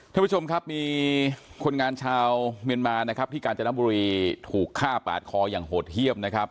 ทุกคนมีชาวเมียนมาท์ที่กาญจนบุรีถูกฆ่าปลาดคอย่างโหดเทียม